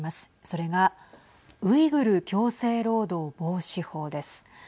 それがウイグル強制労働防止法です。